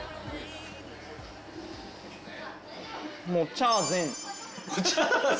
チャーゼン⁉